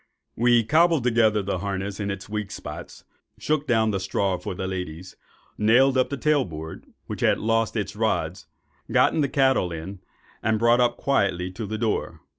We cobbled the harness in its weak spots, shook down the straw for the ladies, nailed up the tail board, which had lost its rods, got the cattle in, and brought up quietly to the door.